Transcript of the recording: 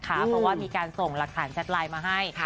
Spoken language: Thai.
เพราะว่ามีการส่งหลักฐานแชทไลน์มาให้